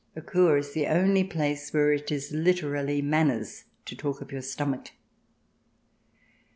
A Kur is the only place where it is literally manners to talk of your stomach.